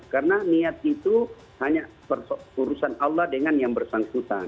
karena niat itu hanya urusan allah dengan yang bersangkutan